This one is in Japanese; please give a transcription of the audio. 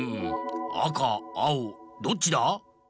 あかあおどっちだ？